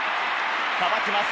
さばきます。